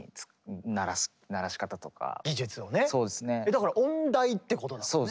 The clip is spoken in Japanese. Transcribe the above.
だから音大ってことだもんね。